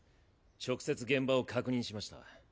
直接現場を確認しました。